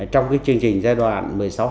trong chương trình giai đoạn một mươi sáu